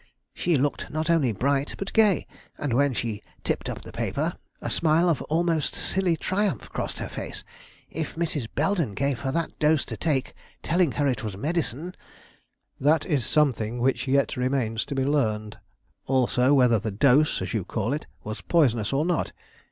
She looked not only bright but gay; and when she tipped up the paper, a smile of almost silly triumph crossed her face. If Mrs. Belden gave her that dose to take, telling her it was medicine " "That is something which yet remains to be learned; also whether the dose, as you call it, was poisonous or not.